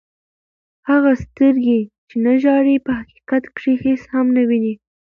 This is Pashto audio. هغه سترګي، چي نه ژاړي په حقیقت کښي هيڅ هم نه ويني.